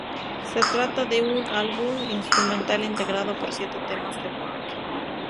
Se trata de un álbum instrumental integrado por siete temas de rock.